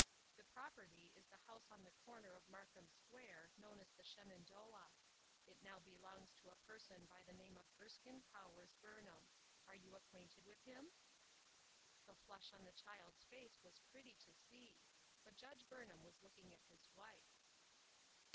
The property is the house on the corner of Markam Square, known as the Shenan doah ; and it now belongs to a person by the " THE DEED FOR THE WILL." I49 name of Erskine Powers Burnham. Are you ac quainted with him ?" The flush on the child's face was pretty to see ; but Judge Burnham was looking at his wife.